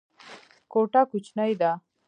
کوټه کوچنۍ ده.